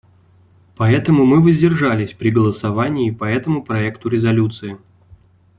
Поэтому мы воздержались при голосовании по этому проекту резолюции.